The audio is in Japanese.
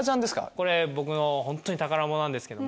これ僕のホントに宝物なんですけど。